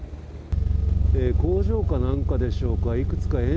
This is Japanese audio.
工場かなんかでしょうか。